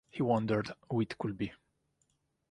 He wondered who it could be.